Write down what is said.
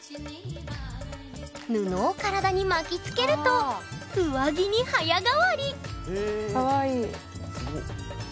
布を体に巻きつけると上着に早変わりかわいい。